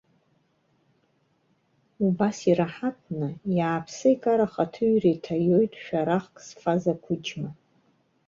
Убас ираҳаҭны, иааԥса-икараха аҭыҩра иҭаиоит шәарахк зфаз ақәыџьма.